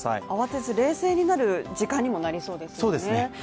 慌てず冷静になる時間にもなりそうですね。